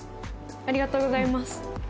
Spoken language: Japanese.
ありがとうございます